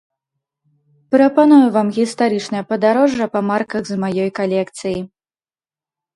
Прапаную вам гістарычнае падарожжа па марках з маёй калекцыі.